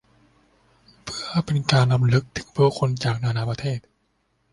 เพื่อเป็นการรำลึกถึงผู้คนจากนานาประเทศ